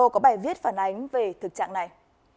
có bài viết phản ánh về thực trạng này